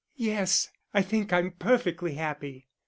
"Yes I think I'm perfectly happy."